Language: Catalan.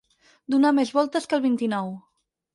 Donar més voltes que el vint-i-nou.